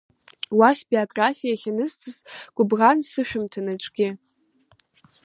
Уи сбиографиа иахьанысҵаз, гәыбӷан сышәымҭан аӡәгьы.